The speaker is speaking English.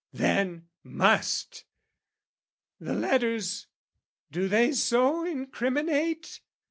then, must! The letters, do they so incriminate?